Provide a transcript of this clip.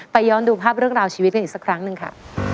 ย้อนดูภาพเรื่องราวชีวิตกันอีกสักครั้งหนึ่งค่ะ